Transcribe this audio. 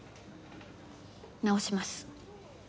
直します。